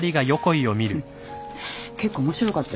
結構面白かったよ。